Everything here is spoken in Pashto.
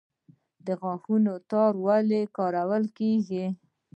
د غاښونو تار ولې کارول کیږي؟